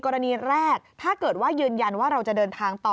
กรณีแรกถ้าเกิดว่ายืนยันว่าเราจะเดินทางต่อ